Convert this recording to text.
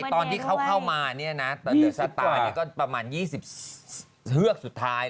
ตอนที่เข้ามาอันดับสตราประมาณ๒๕เฮือกสุดท้าย